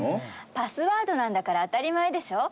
パスワードなんだから当たり前でしょ。